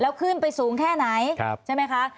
แล้วขึ้นไปสูงแค่ไหนใช่ไหมคะ